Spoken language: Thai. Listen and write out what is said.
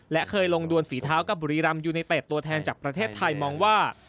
และเคยลงดวนฝีเท้ากับบุรีรำยูไนเต็ดตัวแทนจากประเทศไทยมองว่า